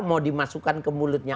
mau dimasukkan ke mulutnya